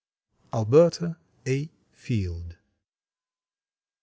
Alberta A. Field.